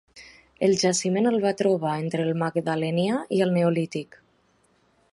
El jaciment el va trobar entre el magdalenià i el neolític.